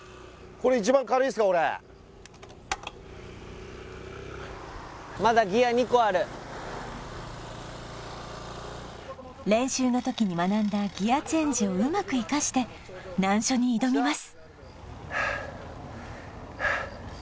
これまだギア２個ある練習の時に学んだギアチェンジをうまく生かして難所に挑みます